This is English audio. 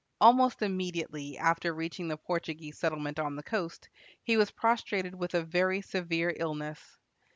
Almost immediately after reaching the Portuguese settlement on the coast, he was prostrated with a very severe illness.